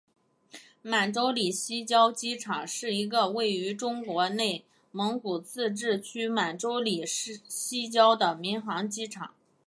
满洲里西郊机场是一个位于中国内蒙古自治区满洲里市西郊的民航机场。